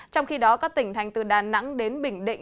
trong khi đó các tỉnh thành từ đà nẵng đến bình định